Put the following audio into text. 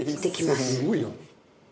「すごいな」